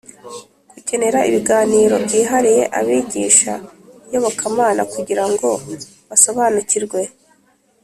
Kugenera ibiganiro byihariye abigisha iyobokamana kugira ngo basobanukirwe